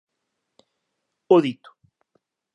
O dito: